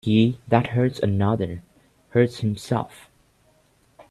He that hurts another, hurts himself.